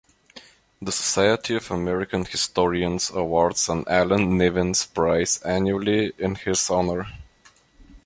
The Society of American Historians awards an Allan Nevins prize annually in his honor.